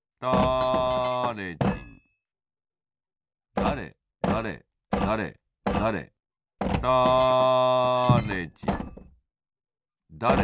だれだれだれだれだれじんだれだれ